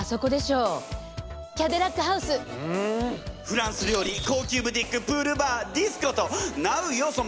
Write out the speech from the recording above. フランス料理高級ブティックプールバーディスコとナウい要素